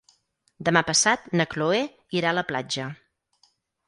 Demà passat na Chloé irà a la platja.